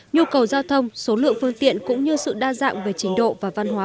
nhu cầu giao thông số lượng phương tiện cũng như sự đa dạng về trình độ và văn hóa